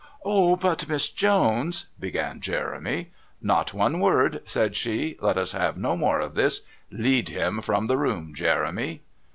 "Oh, but Miss Jones " began Jeremy. "Not one word," said she, "let us have no more of this. Lead him from the room, Jeremy!"